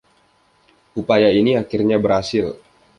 Upaya ini akhirnya berhasil.